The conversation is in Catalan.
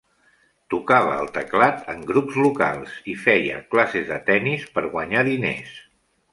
Tocava el teclat en grups locals i feia classes de tenis per guanyar diners.